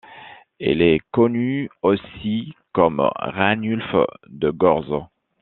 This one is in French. Il est connu aussi comme Ranulphe de Gorze.